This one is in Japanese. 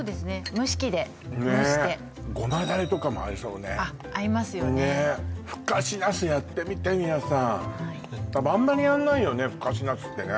蒸し器で蒸してゴマだれとかも合いそうね合いますよねふかしナスやってみて皆さんあんまりやんないよねふかしナスってね